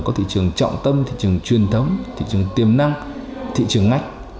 có thị trường trọng tâm thị trường truyền thống thị trường tiềm năng thị trường ngách